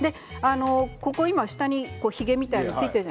ここ、下にひげみたいなものがついています